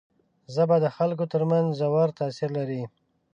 ژبه د خلکو تر منځ ژور تاثیر لري